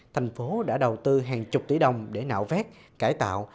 thành phố đã đầu tư hàng chục tỷ đồng để nạo vét cải tạo